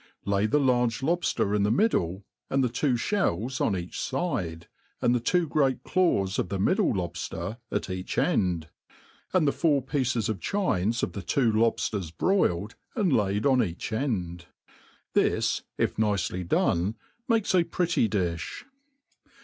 Lay the large lobfter in the middle, and the two (hells on each fide ; and tha two great claws of the middle lobfter at each end ; and the four pieces of chines of the two lobfters* broiled, and laid on each end. This, if nicely done, makes a pretty difh.